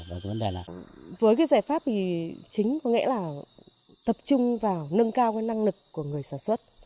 với cái giải pháp thì chính có nghĩa là tập trung vào nâng cao năng lực của người sản xuất